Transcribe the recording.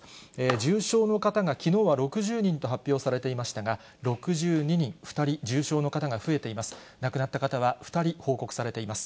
重症の方が、きのうは６０人と発表されていましたが、６２人、２人重症の方が増えています。